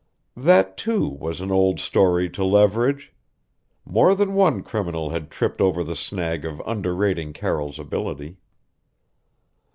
That, too, was an old story to Leverage. More than one criminal had tripped over the snag of underrating Carroll's ability.